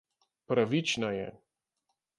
Pravična je.